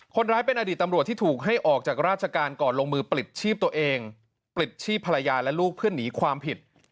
คนร้ายเป็นอดีตตำรวจที่ถูกให้ออกจากราชการก่อนลงมือปลิดชีพตัวเองปลิดชีพภรรยาและลูกเพื่อหนีความผิด